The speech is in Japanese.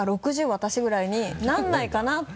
私ぐらいにならないかな？って。